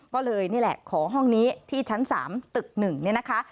ก็เลยนี่แหละขอห้องนี้ที่ชั้น๓ตึก๑เนี่ยนะคะ